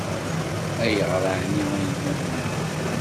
Ayɣer ɛni a Yemma Mennun?